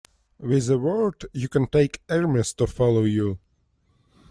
With a word, you can take armies to follow you.